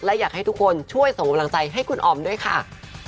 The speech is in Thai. และอยากให้ทุกคนช่วยส่งกำลังใจให้คุณออมด้วยค่ะ